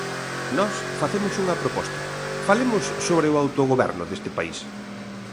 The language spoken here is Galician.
Nós facemos unha proposta: falemos sobre o autogoberno deste país.